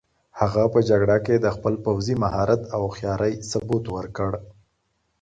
هغه په جګړه کې د خپل پوځي مهارت او هوښیارۍ ثبوت ورکړ.